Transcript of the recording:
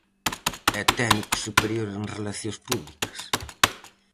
É técnico superior en Relacións Públicas.